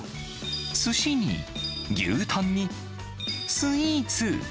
すしに牛タンに、スイーツ。